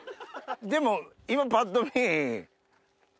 でも今パッと見。